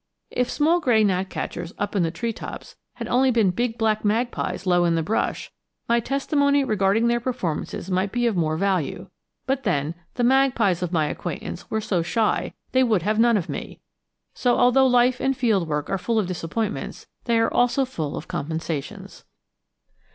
If small gray gnatcatchers up in the treetops had only been big black magpies low in the brush, my testimony regarding their performances might be of more value; but then, the magpies of my acquaintance were so shy they would have none of me; so although life and field work are full of disappointments, they are also full of compensations.